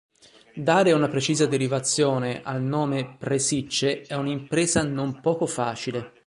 Dare una precisa derivazione al nome "Presicce" è una impresa non poco facile.